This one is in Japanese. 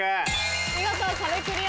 見事壁クリアです。